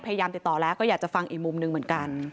พยายามติดต่อแล้วก็อยากจะฟังอีกมุมหนึ่งเหมือนกัน